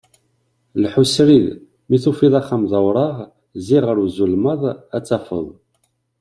Lḥu srid, mi tufiḍ axxam d awraɣ zzi ɣer uzelmaḍ, ad t-tafeḍ.